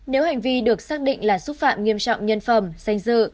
nếu hành vi được xác định là xúc phạm nghiêm trọng nhân phẩm danh dự